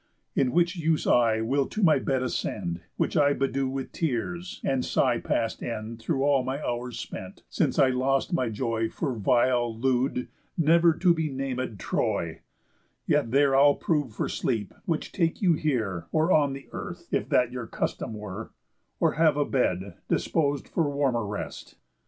In which use I will to my bed ascend, Which I bedew with tears, and sigh past end Through all my hours spent, since I lost my joy For vile, lewd, never to be naméd, Troy, Yet there I'll prove for sleep, which take you here, Or on the earth, if that your custom were, Or have a bed, dispos'd for warmer rest."